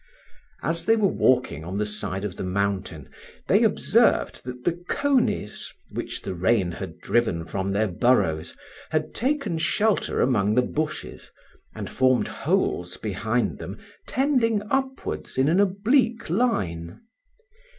As they were walking on the side of the mountain they observed that the coneys, which the rain had driven from their burrows, had taken shelter among the bushes, and formed holes behind them tending upwards in an oblique line.